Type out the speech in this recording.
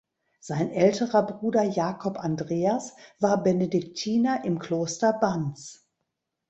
Sein älterer Bruder Jakob Andreas war Benediktiner in Kloster Banz.